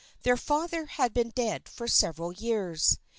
Their fa ther had been dead for several years.